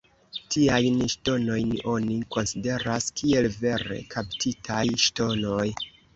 Tiajn ŝtonojn oni konsideras kiel vere kaptitaj ŝtonoj.